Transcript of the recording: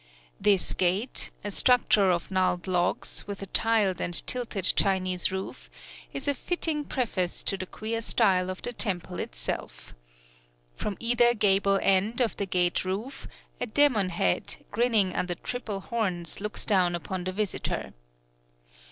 [Illustration: GATE OF KOBUDERA] This gate a structure of gnarled logs, with a tiled and tilted Chinese roof is a fitting preface to the queer style of the temple itself. From either gable end of the gate roof, a demon head, grinning under triple horns, looks down upon the visitor.